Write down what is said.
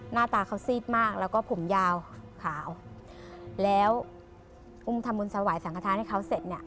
หน้าตาเขาซีดมากแล้วก็ผมยาวขาวแล้วอุ้มทำบุญถวายสังขทานให้เขาเสร็จเนี่ย